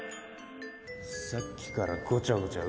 さっきからごちゃごちゃ